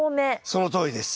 そのとおりです。